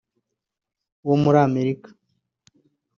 wo muri Amerika